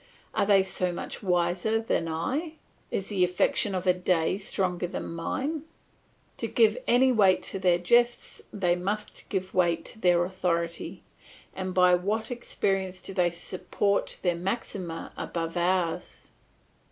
Are they so much wiser than I, is the affection of a day stronger than mine? To give any weight to their jests they must give weight to their authority; and by what experience do they support their maxima above ours?